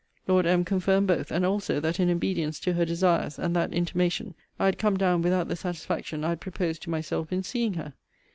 Lord M. confirmed both; and also, that, in obedience to her desires, and that intimation, I had come down without the satisfaction I had proposed to myself in seeing her.